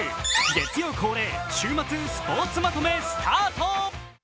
月曜恒例、週末スポーツまとめスタート。